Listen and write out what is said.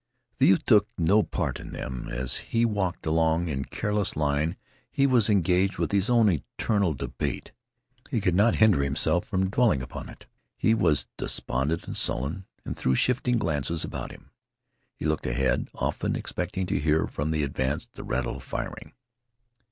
The youth took no part in them. As he walked along in careless line he was engaged with his own eternal debate. He could not hinder himself from dwelling upon it. He was despondent and sullen, and threw shifting glances about him. He looked ahead, often expecting to hear from the advance the rattle of firing.